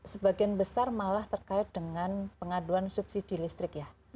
sebagian besar malah terkait dengan pengaduan subsidi listrik ya